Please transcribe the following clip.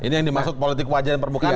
ini yang dimaksud politik wajah dan permukaan